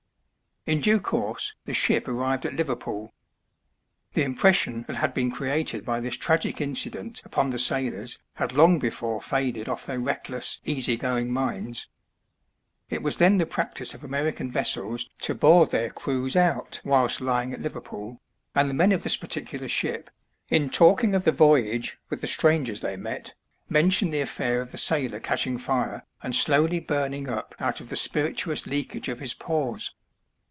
In due course the ship arrived at Liverpool. The impression that had been created by this tragic incident upon the sailors had long before faded off their reckless, easy going minds. It was then the practice of American vessels to board their crews out whilst lying at Liver pool, and the men of this particular ship, in talking of the voyage with the strangers they met, mentioned the affair of the sailor catching fire and slowly burning up out of the spirituous leakage of his pores.